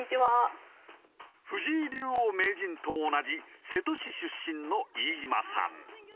藤井竜王・名人と同じ瀬戸市出身の飯島さん。